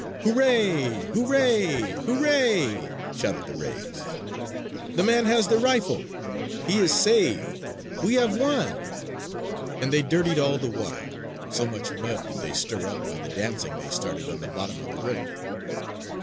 "Hoo ray! Hoo ray Hoo ray!" shouted the rays. "The man has the rifle! He is saved! We have won!" And they dirtied all the water, so much mud did they stir up by the dancing they started on the bottom of the river.